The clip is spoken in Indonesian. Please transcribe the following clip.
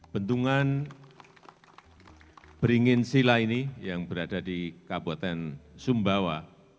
bendungan beringin sila ini yang berada di kabupaten sumbawa